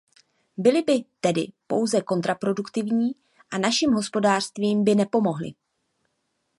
Byly by tedy pouze kontraproduktivní a našim hospodářstvím by nepomohly.